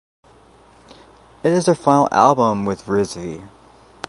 It is their final album with Rizvi.